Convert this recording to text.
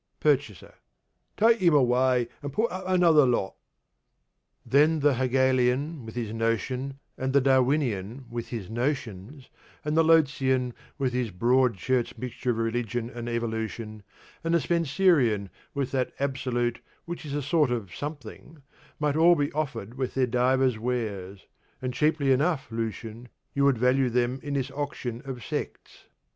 PURCHASER: Take him away, and put up another lot. Then the Hegelian, with his Notion, and the Darwinian, with his notions, and the Lotzian, with his Broad Church mixture of Religion and Evolution, and the Spencerian, with that Absolute which is a sort of a something, might all be offered with their divers wares; and cheaply enough, Lucian, you would value them in this auction of Sects.